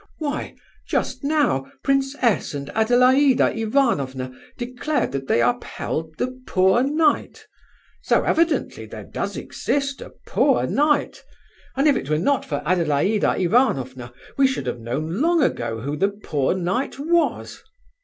Why, just now Prince S. and Adelaida Ivanovna declared that they upheld 'the poor knight'; so evidently there does exist a 'poor knight'; and if it were not for Adelaida Ivanovna, we should have known long ago who the 'poor knight' was."